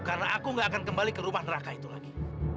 karena aku gak akan kembali ke rumah neraka itu lagi